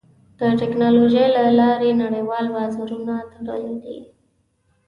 د ټکنالوجۍ له لارې نړیوال بازارونه تړلي دي.